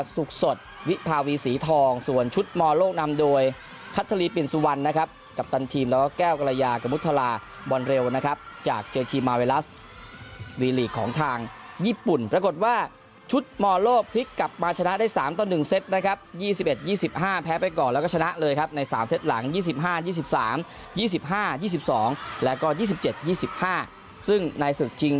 สุดสดวิภาวีศรีทองส่วนชุดมโลกนำโดยพัทธลีปินสุวรรณนะครับกัปตันทีมแล้วก็แก้วกรยากมุทราบอลเร็วนะครับจากเจจีมาเวลัสวีลีกของทางญี่ปุ่นปรากฏว่าชุดมอลโลกพลิกกลับมาชนะได้๓ต่อ๑เซตนะครับ๒๑๒๕แพ้ไปก่อนแล้วก็ชนะเลยครับใน๓เซตหลัง๒๕๒๓๒๕๒๒แล้วก็๒๗๒๕ซึ่งในศึกชิง